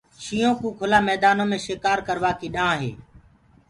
شيِنهو ڪوُ ڪُلآ ميدآنو مي شڪآر ڪروآ ڪي ڏآنهنٚ هي۔